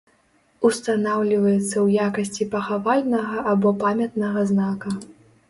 Устанаўліваецца ў якасці пахавальнага або памятнага знака.